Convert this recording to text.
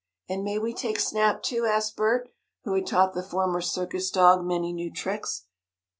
"And may we take Snap, too?" asked Bert, who had taught the former circus dog many new tricks.